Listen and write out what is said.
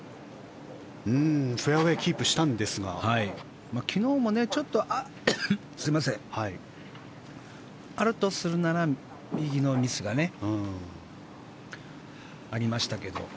フェアウェーキープしたんですが昨日もちょっとあるとするなら右のミスがありましたけど。